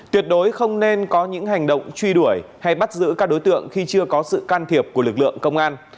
tuyệt đối không nên có những hành động truy đuổi hay bắt giữ các đối tượng khi chưa có sự can thiệp của lực lượng công an